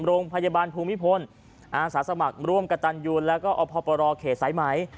โรงพยาบาลภูมิพลอาสาสมัครร่วมกับตันยูแล้วก็อพปรเขตสายไหม